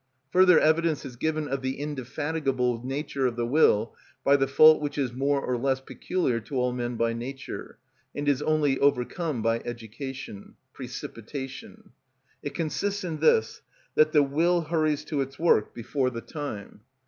Further evidence is given of the indefatigable nature of the will by the fault which is, more or less, peculiar to all men by nature, and is only overcome by education—precipitation. It consists in this, that the will hurries to its work before the time.